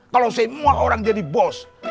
kalau saya mau orang jadi bos